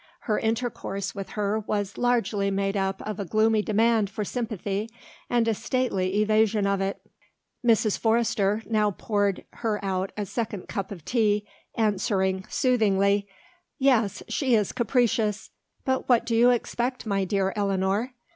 Her intercourse with her was largely made up of a gloomy demand for sympathy and a stately evasion of it. Mrs. Forrester now poured her out a second cup of tea, answering, soothingly, "Yes, she is capricious. But what do you expect, my dear Eleanor?